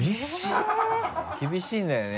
厳しいんだよね